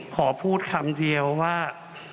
ขอพูดคำเดียวว่า